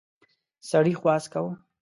سړي خواست کاوه.